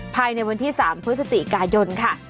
ภายในวันที่๓พฤศจิกายนค่ะ